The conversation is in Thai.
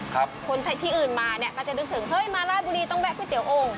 คนที่อื่นมาก็จะนึกถึงมาร้านบุรีต้องแวะก๋วยเตี๋ยวโอ่ง